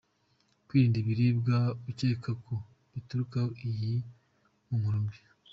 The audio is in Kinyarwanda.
Kwirinda ibiribwa ukeka ko biturukaho iyi mpumuro mbi.